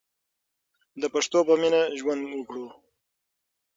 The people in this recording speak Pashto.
د پښتو په مینه ژوند وکړو.